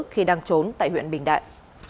khi đang trốn tại huyện bình đại